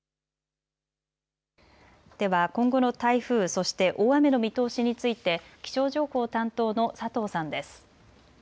では今後の台風、そして大雨の見通しについて気象情報担当の佐藤さんです。